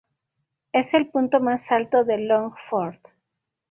Es el punto más alto del Longford.